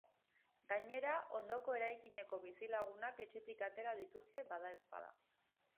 Gainera, ondoko eraikineko bizilagunak etxetik atera dituzte, badaezpada.